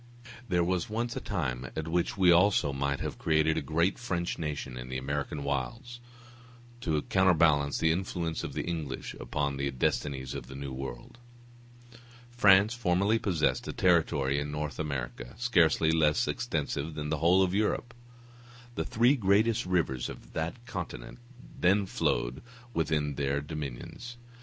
There was once a time at which we also might have created a great French nation in the American wilds, to counterbalance the influence of the English upon the destinies of the New World. France formerly possessed a territory in North America, scarcely less extensive than the whole of Europe. The three greatest rivers of that continent then flowed within her dominions.